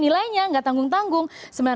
nilainya gak tanggung tanggung